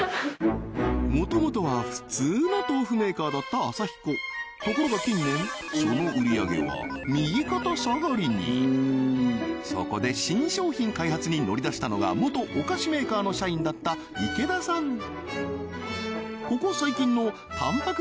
もともとは普通の豆腐メーカーだったアサヒコところが近年その売り上げは右肩下がりにそこで新商品開発に乗り出したのが元お菓子メーカーの社員だった池田さん